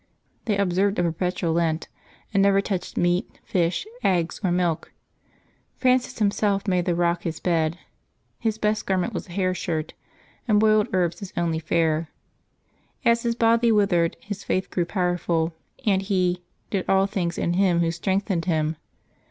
They observed a perpetual Lent, and never touched meat, fish, eggs, or milk. Francis himself made the rock his bed; his best garment was a hair shirt, and boiled herbs his only fare. As his body withered his faith grew powerful, and he "did all things in Him Who strengthened him.